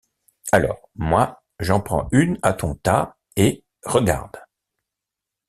Alors, moi, j’en prends une à ton tas, et regarde!